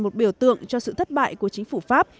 một biểu tượng cho sự thất bại của chính phủ pháp